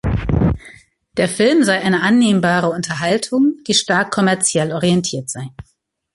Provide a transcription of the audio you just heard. Der Film sei eine „annehmbare Unterhaltung“, die stark kommerziell orientiert sei.